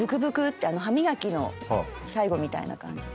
歯磨きの最後みたいな感じで。